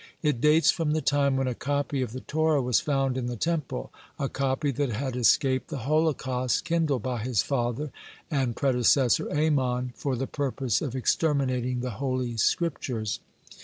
It dates from the time when a copy of the Torah was found in the Temple, a copy that had escaped the holocaust kindled by his father and predecessor Amon for the purpose of exterminating the Holy Scriptures.